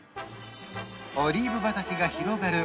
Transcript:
オリーブ畑が広がる